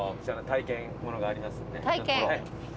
体験？